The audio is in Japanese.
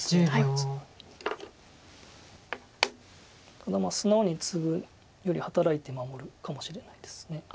ただ素直にツグより働いて守るかもしれないです。